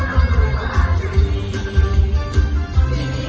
สวัสดีครับ